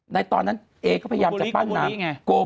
ในตอนนั้นเอรษย์ก็พยายามจะปั้นลังน้ำกโบริ